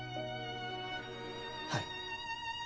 はい。